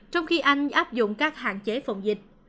trong khi anh áp dụng các hạn chế phòng dịch